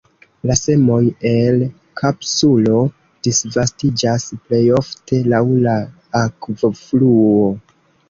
La semoj, el kapsulo, disvastiĝas plejofte laŭ la akvofluo.